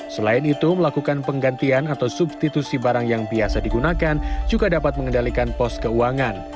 selain itu melakukan penggantian atau substitusi barang yang biasa digunakan juga dapat mengendalikan pos keuangan